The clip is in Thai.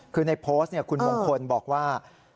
คือในโพสต์คุณมงคลบอกว่า